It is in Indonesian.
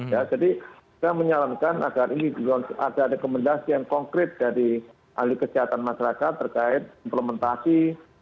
ya jadi saya menyarankan agar ini ada rekomendasi yang konkret dari ahli kesehatan masyarakat terkait implementasi